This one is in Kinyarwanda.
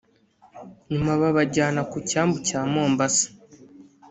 nyuma babajyana ku cyambu cya Mombasa